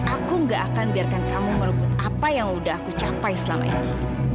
aku gak akan biarkan kamu merebut apa yang sudah aku capai selama ini